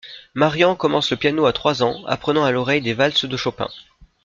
Marian commence le piano à trois ans, apprenant à l'oreille des valses de Chopin.